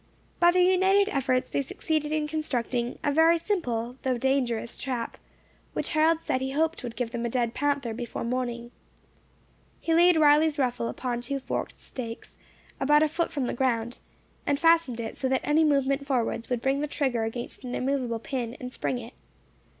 By their united efforts they succeeded in constructing a very simple though dangerous trap, which Harold said he hoped would give them a dead panther before morning. He laid Riley's rifle upon two forked stakes, about a foot from the ground, and fastened it so that any movement forwards would bring the trigger against an immovable pin, and spring it.